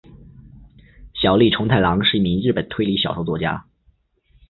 小栗虫太郎是一名日本推理小说作家。